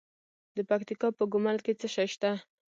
د پکتیکا په ګومل کې څه شی شته؟